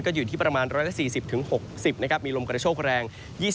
ก็อยู่ที่ประมาณ๑๔๐๖๐มีลมกระโชคแรง